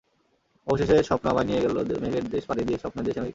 অবশেষে স্বপ্ন আমায় নিয়ে গেল মেঘের দেশ পাড়ি দিয়ে স্বপ্নের দেশ আমেরিকায়।